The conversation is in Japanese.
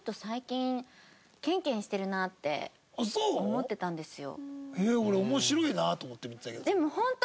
思ってたんですよ。